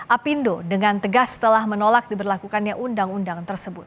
apindo dengan tegas telah menolak diberlakukannya undang undang tersebut